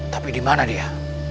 tapi di mana dia